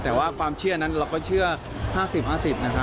แต่ว่าความเชื่อนั้นเราก็เชื่อ๕๐๕๐นะครับ